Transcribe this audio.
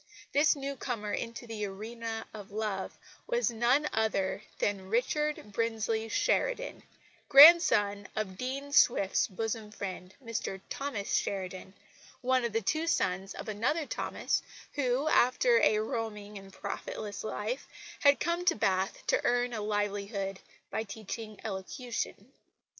This newcomer into the arena of love was none other than Richard Brinsley Sheridan, grandson of Dean Swift's bosom friend, Dr Thomas Sheridan, one of the two sons of another Thomas, who, after a roaming and profitless life, had come to Bath to earn a livelihood by teaching elocution.